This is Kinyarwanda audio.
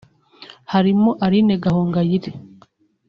harimo Aline Gahongayire